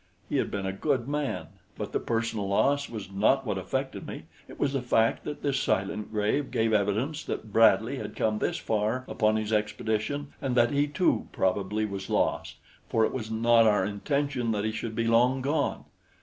He had been a good man, but the personal loss was not what affected me. It was the fact that this silent grave gave evidence that Bradley had come this far upon his expedition and that he too probably was lost, for it was not our intention that he should be long gone.